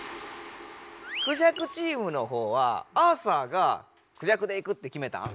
クジャクチームのほうはアーサーがクジャクでいくってきめたん？